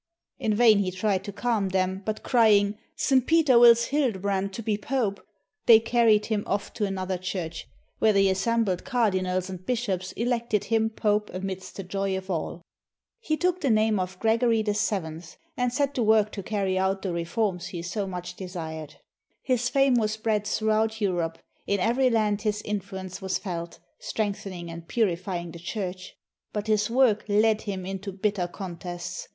In vain he tried to calm them, but crying, "St. Peter wills Hildebrand to be Pope," they carried him off to another church, where the assembled cardinals and bishops elected him Pope amidst the joy of all. He took the name of Gregory VII, and set to work to carry out the reforms he so much de sired. His fame was spread throughout Europe; in every land his influence was felt, strengthening and purifying the Church. But his work led him into bitter contests.